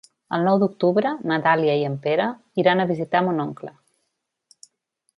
El nou d'octubre na Dàlia i en Pere iran a visitar mon oncle.